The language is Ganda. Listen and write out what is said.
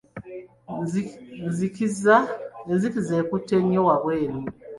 Enzikiza ekutte nnyo wabweru.